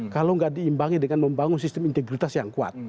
kalau nggak diimbangi dengan membangun sistem integritas yang kuat